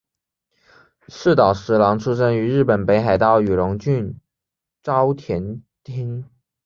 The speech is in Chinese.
寺岛实郎出生于日本北海道雨龙郡沼田町。